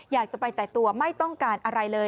อยากจะไปแต่ตัวไม่ต้องการอะไรเลย